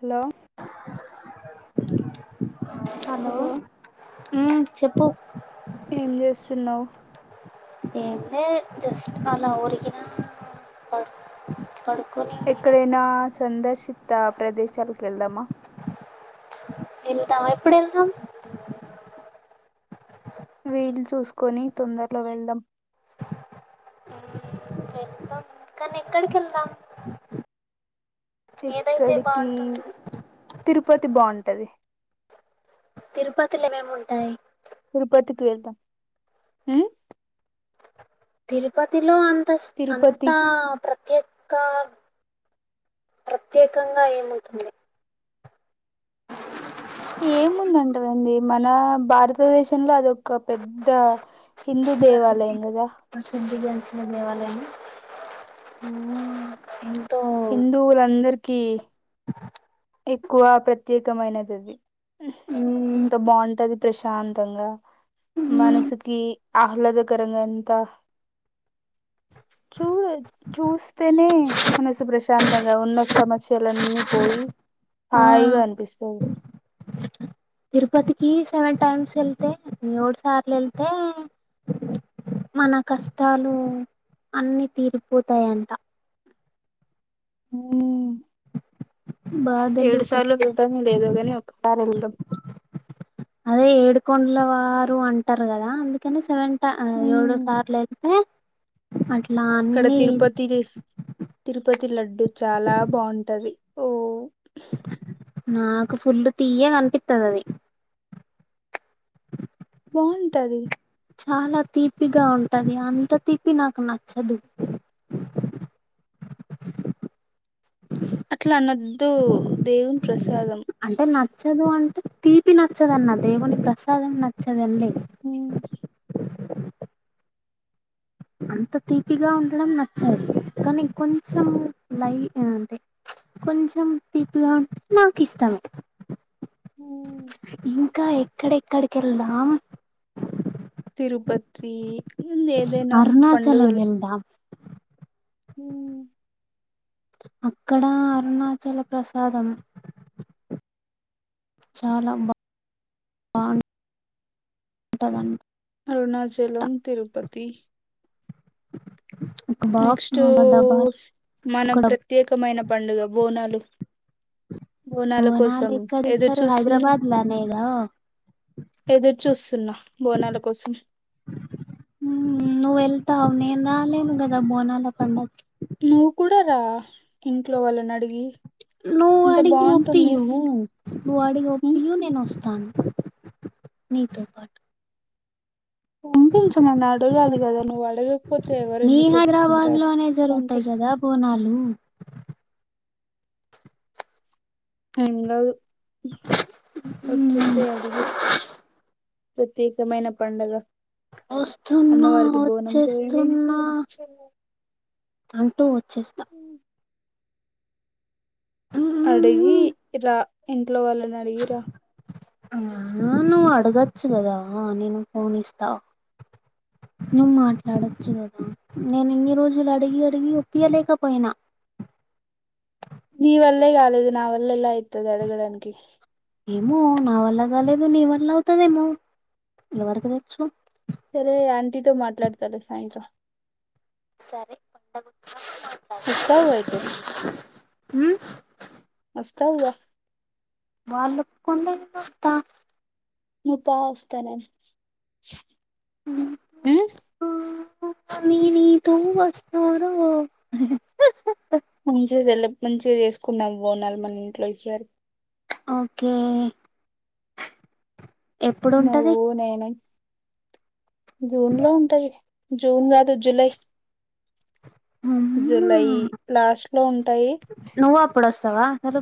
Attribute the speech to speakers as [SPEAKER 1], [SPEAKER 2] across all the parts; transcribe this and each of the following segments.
[SPEAKER 1] Hello
[SPEAKER 2] [inaudible] hello ఉమ్ చెప్పు
[SPEAKER 1] ఏం చేస్తున్నావ్
[SPEAKER 2] ఏమ్ లే జస్ట్ అలా ఉరికిిన పడు పడు
[SPEAKER 1] ఏక్కడైనా సందర్శి దా ప్రదేశాలకు వెళ్దామా
[SPEAKER 2] వెళ్దాం ఎప్పుడు వెళ్దాం
[SPEAKER 1] వీలు చూసుకొని తొందరలో వెళ్దాం
[SPEAKER 2] మ్మ్, వెళ్దాం కానీ ఎక్కడికి వెళ్దాం ఏదైతే
[SPEAKER 1] ఏక్కడికి
[SPEAKER 2] బాగుంటుంది
[SPEAKER 1] తిరుపతి బాగుంటది
[SPEAKER 2] తిరుపతిలో ఏమేముంటాయియ్
[SPEAKER 1] తిరుపతికి వెళదాం ఉమ్
[SPEAKER 2] తిరుపతిలో అం స్
[SPEAKER 1] తిరుపతి
[SPEAKER 2] అంతా ప్రత్యేక ఇకా ప్రత్యేకంగా ఏముటుంది
[SPEAKER 1] ఏముంది అంటావేంది మనా భారతదేశంలో అదొ ఒక పెద్ద హిందూ దేవాలయం గదా
[SPEAKER 2] ఉండే వాళ్ళని
[SPEAKER 1] ఉమ్
[SPEAKER 2] ఇ
[SPEAKER 1] హిందువులందరికీ ఎక్కువ ప్రత్యేకమైనదది
[SPEAKER 2] మ్మ్.
[SPEAKER 1] ఎంత బావుంటది ప్రశాంతంగా
[SPEAKER 2] మ్మ్.
[SPEAKER 1] మనసుకి ఆహ్లాద గర్లఅంతా చూడు అయితే చూస్తేనే మనసు ప్రశాంతంగా ఉన్న సమస్యలన్నీ పోయి
[SPEAKER 2] ఆ
[SPEAKER 1] హాయిగా అనిపిస్తుంది
[SPEAKER 2] తిరుపతికి సెవెన్ టైమ్స్ వెళ్తే ఏడు సార్లు వెళ్తే మన కష్టాలు అన్ని తీరిపోతాయంట
[SPEAKER 1] ఉమ్,
[SPEAKER 2] బాధలు
[SPEAKER 1] ఏడు సార్లు
[SPEAKER 2] కష్టాలు
[SPEAKER 1] వెళ్తానో లేదోగాని ఒక్కసారి వెళ్దాం
[SPEAKER 2] అదే ఏడుకొండల వారు అంటారు కదా అందుకని సెవెన్ ఆ ఏడు
[SPEAKER 1] ఉమ్,
[SPEAKER 2] సార్లు ఏళ్తే అట్ల
[SPEAKER 1] ఇక్కడ తిరుపతి తిరుపతి తి లడ్డు చాలా బాగుంటది ఓ
[SPEAKER 2] నాకు ఫుల్లు తీయ్యేగా అనిపిత్తదది
[SPEAKER 1] బావుంటది
[SPEAKER 2] చాలా తీపిగా ఉంటది అంత తీపి నాకు నచ్చదు
[SPEAKER 1] అట్లా అనద్దు దేవుని ప్రస
[SPEAKER 2] అంటే నచ్చదు అంటే తీపి నచ్చదన్న దేవుని ప్రసాందం నచ్చదంలే
[SPEAKER 1] ఉమ్,
[SPEAKER 2] అంత తీపిగా ఉండడం నచ్చదు కానీ కొంచెం లైట‌్ కొంచెం తీపిగా ఉంటే నాకు ఇష్టమే
[SPEAKER 1] ఉ
[SPEAKER 2] ఇంకా ఎక్కడెక్కడికి వెళ్దాం
[SPEAKER 1] తిరుపతి ఏదైనా
[SPEAKER 2] అరుణాచలం వెల్దా
[SPEAKER 1] ఉ
[SPEAKER 2] అక్కడ అరుణాచల ప్రసాదం చాలా బాగుంటుంది ఉంటదంట
[SPEAKER 1] అరుణాచలం తిరుపతి పతి
[SPEAKER 2] ఒక బాక్స్
[SPEAKER 1] నెక్స్ట్
[SPEAKER 2] ఒక డబ్బా ఒక
[SPEAKER 1] మనం
[SPEAKER 2] డబ్బా
[SPEAKER 1] ప్రత్యేకమైన పండుగ బోనాలు బోనాల
[SPEAKER 2] బోనాలు
[SPEAKER 1] కోసం
[SPEAKER 2] ఎక్కడ
[SPEAKER 1] ఎదురు
[SPEAKER 2] ఇస్తారు
[SPEAKER 1] చూస్తున్న
[SPEAKER 2] హైదరాబాద్ లనేగా
[SPEAKER 1] ఎదురు చూస్తు న్నా బోనాల కోసం
[SPEAKER 2] హ నువ్ వెళ్తావ నేను రాలేను గదా బోనాల పండకి
[SPEAKER 1] నువ్వు కూడా రా ఇంట్లో వాళ్లన అడిగి
[SPEAKER 2] నువ్వు
[SPEAKER 1] ఇంత
[SPEAKER 2] అడిగి
[SPEAKER 1] బాగుంటుంది
[SPEAKER 2] ఒప్పయూ నువ్ అడిగి
[SPEAKER 1] ఉమ్,
[SPEAKER 2] ఒప్పయూ నేను వస్తస్తాను నీతో పాటు
[SPEAKER 1] పంపించమని అడగాలి కదా నువ్వు అడగకపోతే ఎవరు
[SPEAKER 2] మీ
[SPEAKER 1] ఎందుకు
[SPEAKER 2] హైదరాబాద్
[SPEAKER 1] ఒప్పుకుంటారు
[SPEAKER 2] లోనే జరుగుతాయి
[SPEAKER 1] పంపిస్త
[SPEAKER 2] కదా బోనాలు
[SPEAKER 1] ఎ లేదు పచ్చిసై అడిగి ప్రత్యేకమైన పండుగ
[SPEAKER 2] వస్తున్నా
[SPEAKER 1] పోయించి
[SPEAKER 2] వచ్చేస్తున్నా అంటూ వచ్చేస్తా
[SPEAKER 1] అడిగి రా ఇంట్లో వాళ్లని అడిగి రా
[SPEAKER 2] అనా నువ్వు అడగచ్చు కదా నేను ఫోన్ ఇస్తా నువ్వు మాట్లాడొచ్చు కదా నేను ఇన్ని రోజులు అడిగి అడిగి ఒప్పీయలేకపోయినా
[SPEAKER 1] నీవల్లే కాలేదు నావల్ల ఎలా అయితుది అడగడానికి
[SPEAKER 2] ఏమో నా వల్ల కాలేదు నీ వల్ల అవుతదేమో ఎవరికు తెచ్చు
[SPEAKER 1] సరే ఆంటీతో మాట్లాడతాలే సాయంత్రం
[SPEAKER 2] సరే పండ
[SPEAKER 1] వస్తావుగా‌ అయితే తవ
[SPEAKER 2] వాళ్ళ ఒప్పుకుంటే నేను అత్త
[SPEAKER 1] నువ్వుపా వస్తున్నం ఊ
[SPEAKER 2] నేను నీతో వస్తారా
[SPEAKER 1] భోంచేసెల్లు మంచిగా జేసుకున్నాం బోనాలు మన ఇంట్లో ఈసారి
[SPEAKER 2] ఓకే ఎప్పుడుంటది
[SPEAKER 1] నువ్వు నేను జూన్ లో ఉంటాయి జూన్ గాదు జూలై
[SPEAKER 2] అమ్మా
[SPEAKER 1] జూలై లాస్ట్ లో ఉంటాయి
[SPEAKER 2] మరలా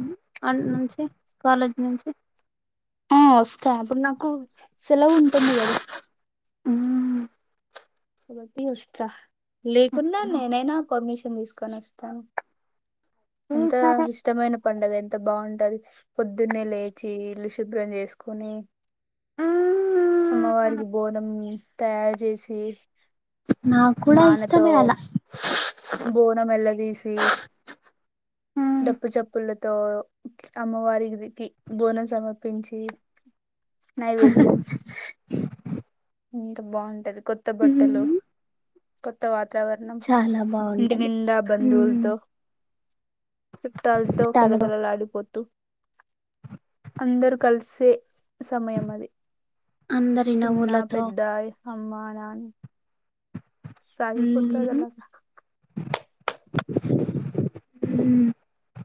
[SPEAKER 2] ఆడానుంచి కాలేజీ నుంచి
[SPEAKER 1] ఆ వస్తా అప్పుడు నాకు సెలవు ఉంటుంది గదా
[SPEAKER 2] ఊ
[SPEAKER 1] ఒకటి వస్తా లేకున్నా నేనైనా పర్మిషన్ తీసుకొని వస్తాను ఎంత
[SPEAKER 2] సరే
[SPEAKER 1] ఇష్టమైన పండగ ఎంత బాగుంటది పొద్దున్నే లేచి ఇల్లు శుభ్రం జేసుకొని
[SPEAKER 2] మ్మ్
[SPEAKER 1] అమ్మవారికి బోనం తయారు జేసి
[SPEAKER 2] నాకు కూడా
[SPEAKER 1] నాన్న తో
[SPEAKER 2] ఇష్టమే అలా
[SPEAKER 1] బోనమ్ యెల్లదీసి తీ
[SPEAKER 2] మ్మ్
[SPEAKER 1] డప్పుచె పూలతో అమ్మవారికి ది తీ బోనం సమర్పించి నైవేద్యం ఎంత బాగుంటది కొత్త బట్టలు కొత్తవారు వాతావరణం
[SPEAKER 2] చాలా
[SPEAKER 1] ఇంటి
[SPEAKER 2] బాగుంటది
[SPEAKER 1] నిండా
[SPEAKER 2] మ్మ్
[SPEAKER 1] బంధువులతో చుట్టాలతో
[SPEAKER 2] చుట్టాలతో
[SPEAKER 1] కళకళ లాడిపోతు అందరూ కలిసే సమయం అది
[SPEAKER 2] అందరి
[SPEAKER 1] చిన్న
[SPEAKER 2] నవ్వులతో
[SPEAKER 1] పెద్ద అమ్మ నాన్ సాగిపోతాదలాగా
[SPEAKER 2] అ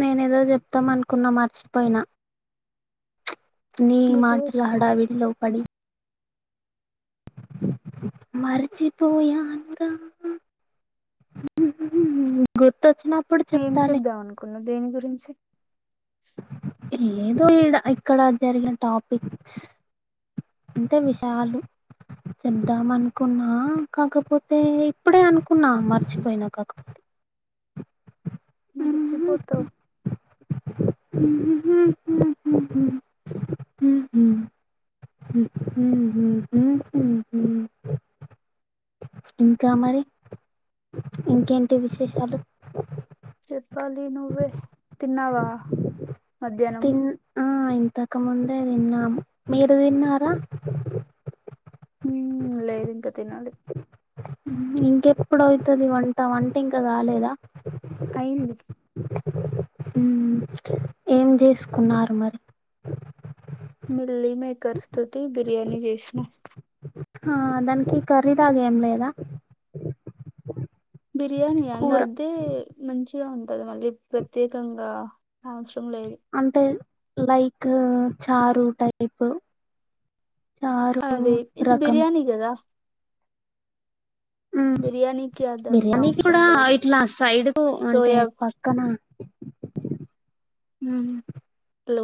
[SPEAKER 2] నేనేదో చెప్తాం అనుకున్నా మర్చిపోయినా నీ
[SPEAKER 1] గుర్తు
[SPEAKER 2] మాటల
[SPEAKER 1] తెచ్చుకో
[SPEAKER 2] హడావిడి లో పడి మర్చిపోయాను రా గుర్తు
[SPEAKER 1] ఏం చేద్దాం అనుకున్నావ్ దేని గురించి
[SPEAKER 2] ఏదో ఇడా ఇక్కడ జరిగిన టాపిక్స్ అంటే విషయాలు చెప్దాం అనుకున్నా కాకపోతే ఇప్పుడే అనుకున్నా మర్చిపోయినా కాకపోతే
[SPEAKER 1] మరిచిపోతావ్
[SPEAKER 2] హు హూ ఆ ఆ ఇంకా మరి ఇంకేంటి విశేషాలు
[SPEAKER 1] చెప్పాలి నువ్వే తిన్నావా మధ్యానం
[SPEAKER 2] అంతకముందే తినం మీర్ తిన్నారా
[SPEAKER 1] మ్మ్ లేదు ఇంకా తినాలి
[SPEAKER 2] ఇంకెప్పుడువుతది వంట వంట ఇంకా గాలేదా
[SPEAKER 1] అయింది
[SPEAKER 2] ఏం చేసుకున్నారు మరి
[SPEAKER 1] మిక్ మీల్ మేకర్స్ తోటి బిర్యానీ జేసిన
[SPEAKER 2] హా దానికి కర్రీలాగ ఏం లేదా
[SPEAKER 1] బిర్యానీ
[SPEAKER 2] కూర
[SPEAKER 1] ఎంగద్దే మంచి ఉంటది మళ్ళీ ప్రత్యేకంగా ఆవాస్
[SPEAKER 2] అంటే లైక్ చారు టైపు
[SPEAKER 1] అదీ ఇది బిర్యానీ గదా బిర్యానీకి అదంతా
[SPEAKER 2] బిర్యానీ
[SPEAKER 1] అవసరం
[SPEAKER 2] కూడా
[SPEAKER 1] లేదు
[SPEAKER 2] ఇట్లా సైడ్ కు అంటే
[SPEAKER 1] సోయా
[SPEAKER 2] పక్కన మ్మ్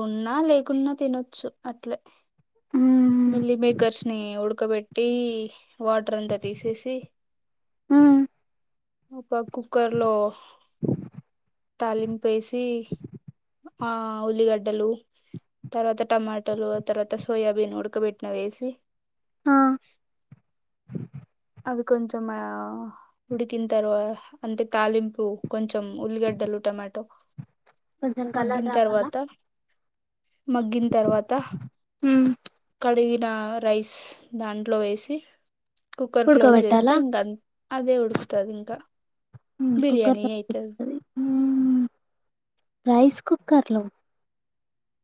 [SPEAKER 1] ఉన్న లేకున్నా తినొచ్చు అట్లే
[SPEAKER 2] మ్మ్
[SPEAKER 1] మిల్లి మేకర్స్ ని ఉడక బెట్ టీ వాటర్ అంతా తీసేసి
[SPEAKER 2] హ్మ
[SPEAKER 1] ఒక కుక్కర్ లో తాలింపు ఏసి ఆ ఉల్లిగడ్డలు తర్వాత టమాటలు ఆ తర్వాత సోయాబీన్ ఉడకబెట్టినవి వేసి
[SPEAKER 2] ఆ
[SPEAKER 1] అవి కొంచెం ఆ ఉడికిన తర్వా అంటే తాలింపు కొంచెం ఉల్లిగడ్డలు టమోటో
[SPEAKER 2] కొంచెం కలర్
[SPEAKER 1] మగ్గిన్
[SPEAKER 2] రావాలా
[SPEAKER 1] తర్వాత మగ్గిన్ తర్వాత
[SPEAKER 2] మ్మ్
[SPEAKER 1] కడిగి డా రైస్ దాంట్లో వేసి కుక్కర్ క్లోజ్ జేస్తే
[SPEAKER 2] ఉడకబెట్టాలా
[SPEAKER 1] ఇంక అదే ఉడుకుతది ఇంకా
[SPEAKER 2] మ్మ్ కుక్కర్
[SPEAKER 1] బిర్యానీ
[SPEAKER 2] లో
[SPEAKER 1] ఎయితది
[SPEAKER 2] ఉంటది మ్మ్ రైస్ కుక్కర్లో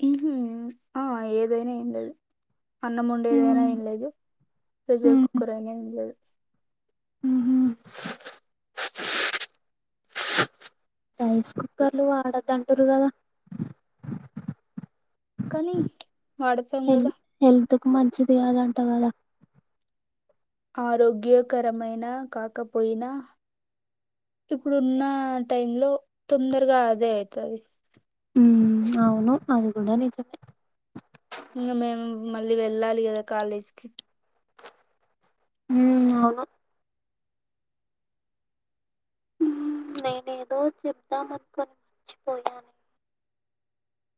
[SPEAKER 1] మ్మ్ ఆ ఏదైనా ఎం లేదు అన్నం వొండేదైనా
[SPEAKER 2] మ్మ్
[SPEAKER 1] ఏంలేదు విజిల్ కుక్కర్ అయినా ఎం లేదు
[SPEAKER 2] ఉహు రైస్
[SPEAKER 1] అట్లా
[SPEAKER 2] కుక్కర్లు వాడొద్దంటుర్రు కదా
[SPEAKER 1] కానీ వాడుతాం
[SPEAKER 2] హెల్
[SPEAKER 1] గదా
[SPEAKER 2] హెల్త్ మంచిది కాదంటవ్ కదా
[SPEAKER 1] ఆరోగ్యకరమైన కాకపోయినా ఇప్పుడున్న టైమ్ లో తొందరగా అదే అయితది
[SPEAKER 2] ఊ అవును అది కూడా నిజమే
[SPEAKER 1] ఇంగా మేము మళ్ళీ వెళ్ళాలి కదా కాలేజ్కి
[SPEAKER 2] హ్మ్ అవును నిను ఎదో చెప్పుదామానుకొని మర్చిపోయాను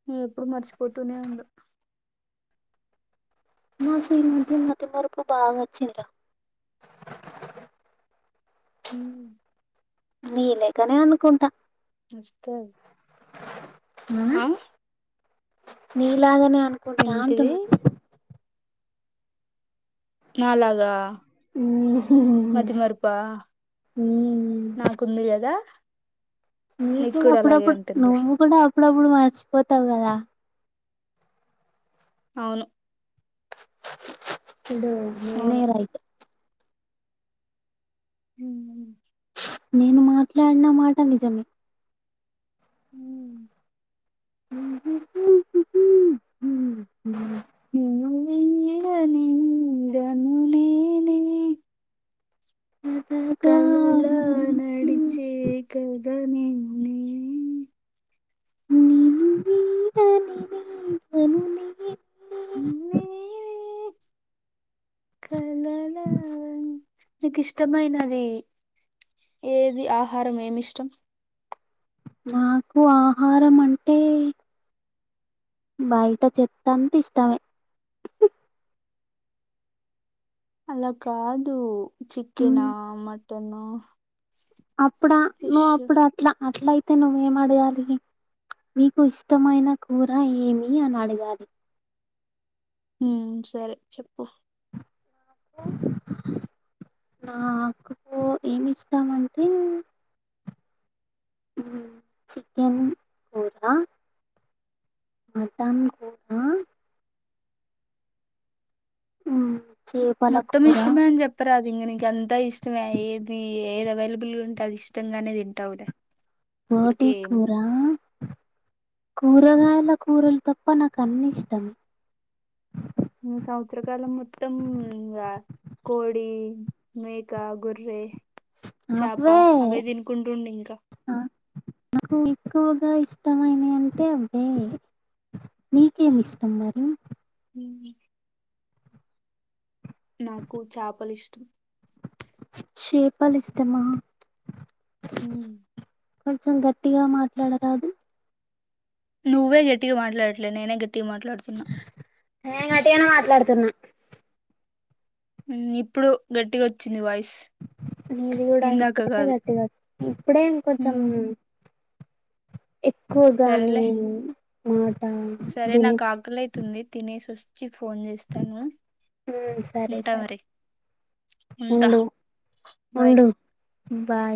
[SPEAKER 1] నువ్వు ఎప్పుడు మర్చిపోతూనే ఉండు
[SPEAKER 2] నాకు ఈమధ్య మతిమరుపు బాగా వచ్చింది రా
[SPEAKER 1] హ్మ్
[SPEAKER 2] ని లేకనే అనుకుంట
[SPEAKER 1] సిస్టర్ ఆ
[SPEAKER 2] ని లాగానే అనుకుంటా
[SPEAKER 1] ఏంటిది
[SPEAKER 2] అంటున్న
[SPEAKER 1] నాలాగా
[SPEAKER 2] హ్మ్.
[SPEAKER 1] మతిమరపా నాకు వుంది కదా
[SPEAKER 2] నీకు కూడా అప్పుడప్పుడు నువ్వు కూడా అప్పుడప్పుడు మర్చిపోతావు కదా
[SPEAKER 1] అవును
[SPEAKER 2] ఇడు నినే
[SPEAKER 1] అవును
[SPEAKER 2] రైట్
[SPEAKER 1] హ్మ్మ్
[SPEAKER 2] నిను మాట్లాడిన మాట నిజమే
[SPEAKER 1] హ్మ్
[SPEAKER 2] ఉహు హు హుహు హు హు హు
[SPEAKER 1] నిను వీడని నీడను నినే
[SPEAKER 2] కథగా
[SPEAKER 1] కలలో
[SPEAKER 2] నడిచి
[SPEAKER 1] నడిచే కద దనిన్ని
[SPEAKER 2] నిను వీడని నీడను నినే
[SPEAKER 1] మీమే కలలా నీకు ఇష్టమైనది ఏది ఆహారం ఏం ఇష్టం
[SPEAKER 2] మాకు ఆహారం అంటే బయట చెత్త అంత ఇష్టామే
[SPEAKER 1] అలా కాదు చికెన్ నా మట టెన్ హా
[SPEAKER 2] అప్పుడ ను అప్పుడు అట్లా అట్లా అయి అయితే నువ్వేం అడగాలి నీకు ఇష్టమైన కూర ఏమి అని అడగాలి
[SPEAKER 1] ఊ సరే చెప్పు
[SPEAKER 2] నాకు నాకూ ఏమి ఇష్టమంటే చికెన్ కూరా మటన్ కూడా ఉ
[SPEAKER 1] మొత్తం ఇష్టమే అని చెప్పరాదు ఇంగ నీకు అంత ఇష్ట ఇష్టమే ఏది ఏది అవైలబుల్గా ఉంటే అది ఇష్టంగానే తింటావుడ
[SPEAKER 2] బోటీ కూరా కూరగాయల కూరలు తప్ప నాకు అన్నీ ఇష్టం
[SPEAKER 1] సంవత్సరకాలం మొత్తం ఇంగ కోడి మేక గొర్రె చాప
[SPEAKER 2] అవే
[SPEAKER 1] అవే తినుకుంటుండు ఇంక
[SPEAKER 2] ఆ నాకు ఎక్కువగా ఇష్టమైనవి అంటే అవే మీకేమి ఇష్టం మరి
[SPEAKER 1] ఉ నాకు చాపలు ఇష్టం
[SPEAKER 2] చేపలు ఇష్టమా
[SPEAKER 1] హ్మ
[SPEAKER 2] కొంచెం గట్టిగా మాట్లాడరాదు
[SPEAKER 1] నువ్వే గట్టిగ మాట్లాడట్లేదు నేనే గట్టి
[SPEAKER 2] నేను గట్టిగనే మాట్లాడుతుంది
[SPEAKER 1] హ్మ ఇప్పుడు గట్టిగ వచ్చింది వాయిస్
[SPEAKER 2] నీది కూడా
[SPEAKER 1] ఇందాక
[SPEAKER 2] ఇప్పుడే
[SPEAKER 1] కాదు
[SPEAKER 2] గట్టిగా వచ్చింది ఇప్పుడే కొంచెం
[SPEAKER 1] హ్మ్
[SPEAKER 2] ఎక్కువగానీ
[SPEAKER 1] సరేలే
[SPEAKER 2] ఆ
[SPEAKER 1] సరే నాకు ఆకలైతుంది తినేసి వస్త్ వచ్చి ఫోన్ చేస్తాను
[SPEAKER 2] ఉమ్, సరే
[SPEAKER 1] ఉంటా
[SPEAKER 2] సరే
[SPEAKER 1] మరి ఉంటా
[SPEAKER 2] ఉండు
[SPEAKER 1] బాయ్
[SPEAKER 2] ఉండు బాయ్